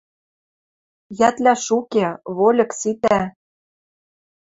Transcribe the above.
Йӓтлӓш уке, вольык ситӓ.